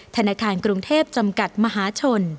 ธนาคารกรุงเทพจำกัดมหาชน